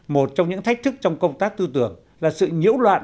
một trong những thách thức trong công tác tư tưởng là sự nhiễu loạn